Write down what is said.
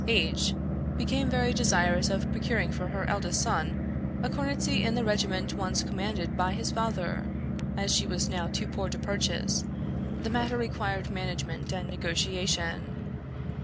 H became very desirous of procuring for her eldest son a cornetcy in the regiment once commanded by his father; as she was now too poor to purchase, the matter required management and negotiation.